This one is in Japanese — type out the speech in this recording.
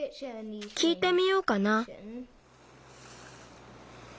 きいてみようかな。